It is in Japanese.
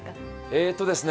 えっとですね